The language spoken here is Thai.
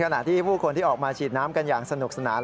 ขณะที่ผู้คนที่ออกมาฉีดน้ำกันอย่างสนุกสนาน